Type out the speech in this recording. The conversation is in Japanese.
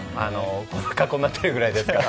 こんな格好になってるぐらいなので。